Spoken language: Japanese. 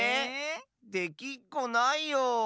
できっこないよ。